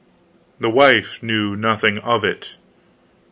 The wife knew nothing of it.